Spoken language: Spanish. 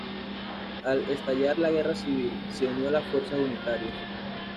Al estallar la guerra civil, se unió a las fuerzas unitarias.